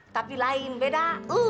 tapi lain beda